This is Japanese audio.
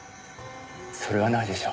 それはないでしょ。